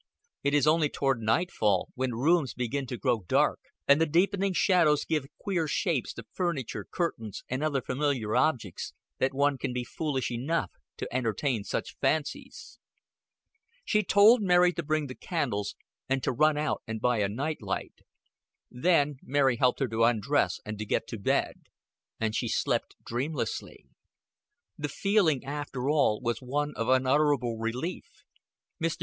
It is only toward nightfall, when rooms begin to grow dark, and the deepening shadows give queer shapes to furniture, curtains, and other familiar objects, that one can be foolish enough to entertain such fancies. She told Mary to bring the candles, and to run out and buy a night light. Then Mary helped her to undress and to get to bed; and she slept dreamlessly. The feeling after all was one of unutterable relief. Mr.